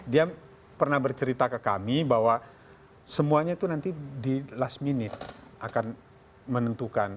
dia pernah bercerita ke kami bahwa semuanya itu nanti di last minute akan menentukan